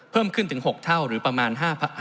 เพิ่มขึ้นถึง๖เท่าหรือประมาณ